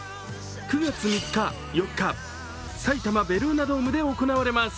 ９月３日、４日、埼玉・ベルーナドームで行われます。